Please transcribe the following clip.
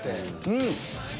うん！